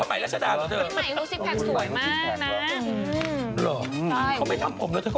พี่ใหม่เป็นซิคแพก